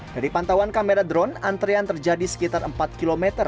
dari pantauan kamera drone antrean terjadi sekitar empat km